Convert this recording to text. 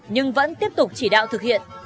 nhưng vẫn tiếp tục chỉ đạo thực hiện